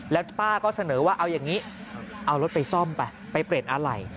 แล้วป้าก็เสนอว่าเอาอย่างนี้เอารถไปซ่อมไปไปเปลี่ยนอะไร